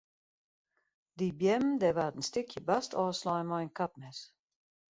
Dy beammen dêr waard in stikje bast ôfslein mei in kapmes.